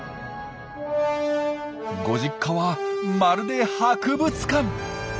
ご実家はまるで博物館！